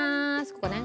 ここね。